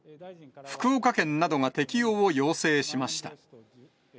福岡県などが適用を要請しました。